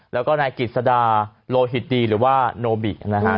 แล้วก็นายกิจสดาโลหิตดีหรือว่าโนบินะฮะ